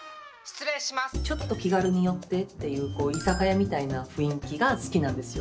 「ちょっと気軽に寄って」っていう居酒屋みたいな雰囲気が好きなんですよ